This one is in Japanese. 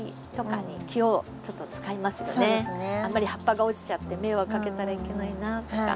あんまり葉っぱが落ちちゃって迷惑かけたらいけないなとか。